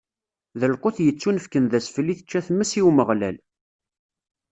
D lqut yettunefken d asfel i tečča tmes, i Umeɣlal.